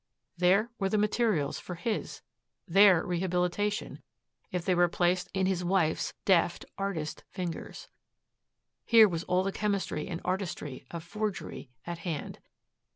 There were the materials for his, their rehabilitation if they were placed in his wife's deft artist fingers. Here was all the chemistry and artistry of forgery at hand.